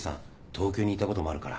東京にいたこともあるから。